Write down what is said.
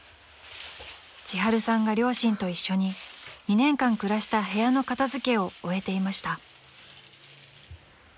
［ちはるさんが両親と一緒に２年間暮らした部屋の片付けを終えていました］